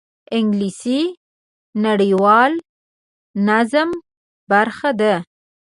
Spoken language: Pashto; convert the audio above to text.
انګلیسي د نړیوال نظم برخه ده